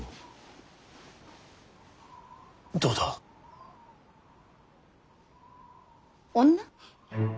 どうだ？女？